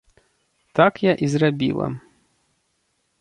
Так я і зрабіла.